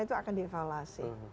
itu akan dievaluasi